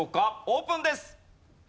オープンです！